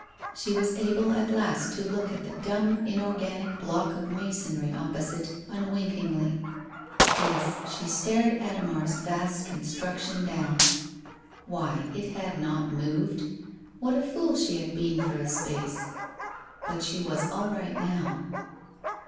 She was able at last to look at the dumb inorganic block of masonry opposite unwinkingly, yes, she stared Adhemar's vast con struction down. Why, it had not moved! What a fool she had been for a space ! But she was all right now.